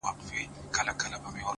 پوهه د راتلونکي جوړولو وسیله ده!